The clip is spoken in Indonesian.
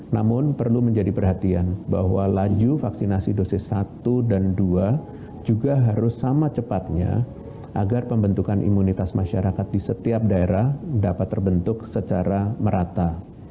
namun perlu menjadi perhatian bahwa laju vaksinasi dosis satu dan dua juga harus sama cepatnya agar pembentukan imunitas masyarakat di setiap daerah dapat terbentuk secara merata